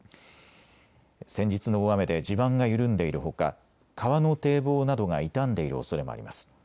先日の大雨で地盤が緩んでいるほか川の堤防などが傷んでいるおそれもあります。